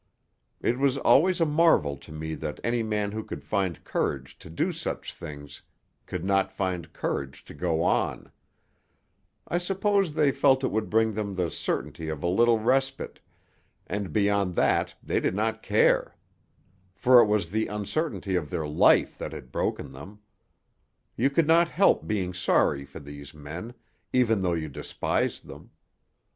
It was always a marvel to me that any man who could find courage to do such things could not find courage to go on; I suppose they felt it would bring them the certainty of a little respite, and beyond that they did not care, for it was the uncertainty of their life that had broken them. You could not help being sorry for these men, even though you despised them.